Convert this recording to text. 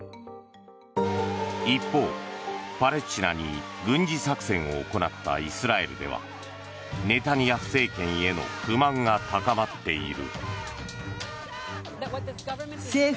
一方、パレスチナに軍事作戦を行ったイスラエルではネタニヤフ政権への不満が高まっている。